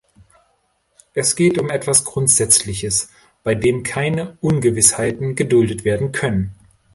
Es geht um etwas Grundsätzliches, bei dem keine Ungewissheiten geduldet werden können.